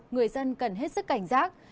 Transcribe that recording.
người dân cần hết sức cảnh giác